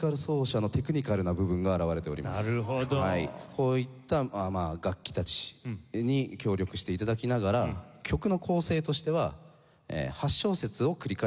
こういった楽器たちに協力して頂きながら曲の構成としては８小節を繰り返す。